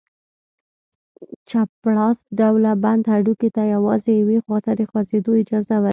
چپراست ډوله بند هډوکي ته یوازې یوې خواته د خوځېدلو اجازه ورکوي.